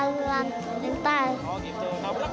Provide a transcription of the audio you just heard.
selanjutnya apa tadi